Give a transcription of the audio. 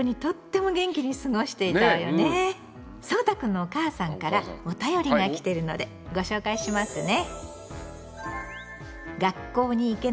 そうたくんのお母さんからお便りが来てるのでご紹介しますね。